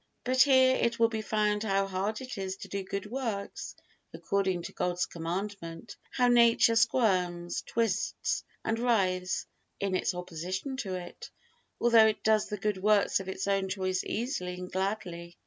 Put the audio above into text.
But here it will be found how hard it is to do good works according to God's Commandment, how nature squirms, twists and writhes in its opposition to it, although it does the good works of its own choice easily and gladly.